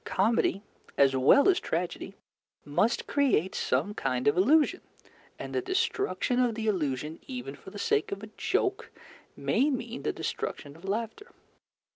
Comedy, as well as tragedy, must create some kind of illusion, and the destruction of the illusion, even for the sake of a joke, may mean the destruction of laughter.